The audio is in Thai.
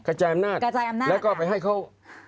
กระจายอำนาจแล้วก็ไปให้เขา